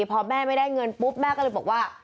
พอแม่ไม่ได้เงินปุ๊บแม่ก็เลยบอกว่า